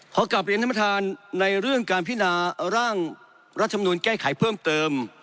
กลับเรียนท่านประธานในเรื่องการพินาร่างรัฐมนุนแก้ไขเพิ่มเติม